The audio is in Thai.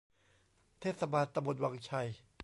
เทศบาลตำบลวังชัย